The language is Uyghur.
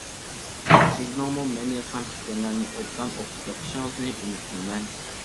سىزنىڭمۇ مەن يازغان پىكىرلەرنى ئوبدان ئوقۇپ بېقىشىڭىزنى ئۈمىد قىلىمەن.